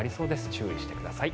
注意してください。